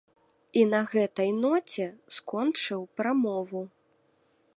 І на гэтай ноце скончыў прамову.